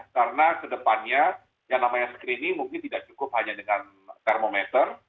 karena kedepannya yang namanya screening mungkin tidak cukup hanya dengan termometer